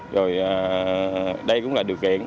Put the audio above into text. rồi đây cũng là điều kiện